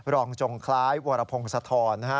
รองจงคล้ายวรพงศธรนะฮะ